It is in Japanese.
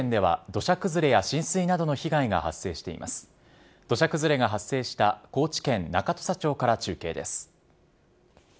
土砂崩れが発生した高知県中土佐町から中継です。